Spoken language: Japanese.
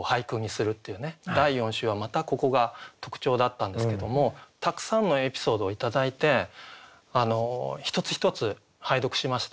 第４週はまたここが特徴だったんですけどもたくさんのエピソードを頂いて一つ一つ拝読しました。